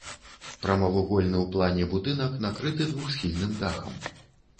Прамавугольны ў плане будынак накрыты двухсхільным дахам.